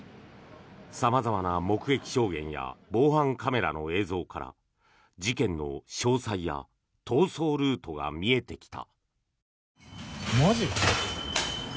様々な目撃証言や防犯カメラの映像から事件の詳細や逃走ルートが見えてきた。